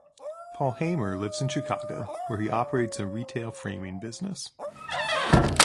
Paul Hamer lives in Chicago, where he operates a retail framing business.